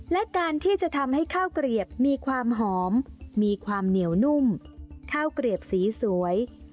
และการที่จะทำให้ข้าวเกลียบมีความหอมมีความเหนียวนุ่มข้าวเกลียบสีสวย